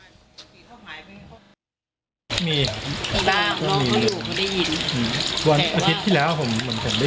ผมจำวันแน่นอนไม่ได้